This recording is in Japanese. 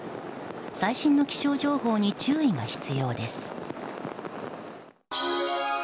最新の気象情報に注意が必要です。